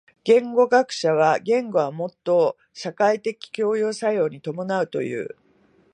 言語学者は言語はもと社会的共同作用に伴うという。